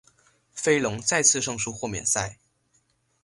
飞龙再次胜出豁免赛。